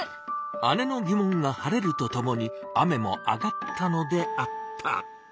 姉のぎ問が晴れるとともに雨もあがったのであった。